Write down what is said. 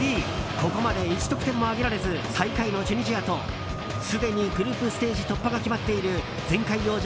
ここまで１得点も挙げられず最下位のチュニジアとすでにグループステージ突破が決まっている前回王者